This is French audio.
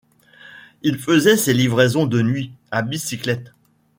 Il faisait ces livraisons de nuit, à bicyclette.